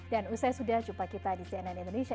dan usai sudah jumpa kita di cnn indonesia